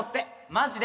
マジで。